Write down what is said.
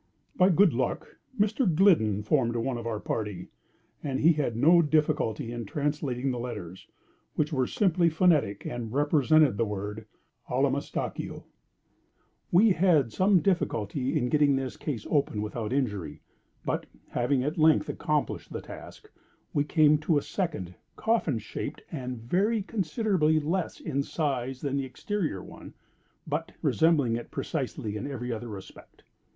By good luck, Mr. Gliddon formed one of our party; and he had no difficulty in translating the letters, which were simply phonetic, and represented the word Allamistakeo. We had some difficulty in getting this case open without injury; but having at length accomplished the task, we came to a second, coffin shaped, and very considerably less in size than the exterior one, but resembling it precisely in every other respect.